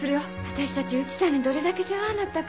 わたしたち内さんにどれだけ世話になったか。